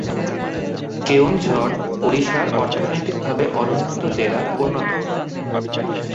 কেওনঝড় ওড়িশার অর্থনৈতিকভাবে অনুন্নত জেলার অন্যতম।